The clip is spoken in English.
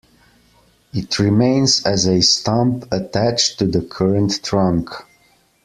It remains as a stump attached to the current trunk.